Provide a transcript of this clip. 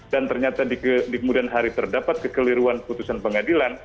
dan ternyata di kemudian hari terdapat kekeliruan putusan pengadilan